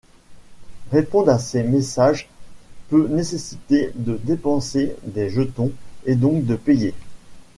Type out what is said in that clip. Répondre à ces messages peut nécessiter de dépenser des jetons, et donc de payer.